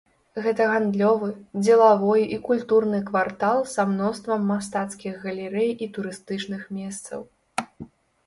Гэта гандлёвы, дзелавой і культурны квартал са мноствам мастацкіх галерэй і турыстычных месцаў.